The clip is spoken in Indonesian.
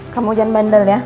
kamu jangan bandel ya